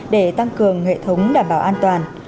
để tăng cường hệ thống đảm bảo an toàn